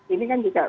ini kan juga